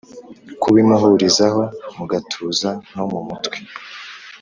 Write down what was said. kubimuhurizaho mugatuza no mumutwe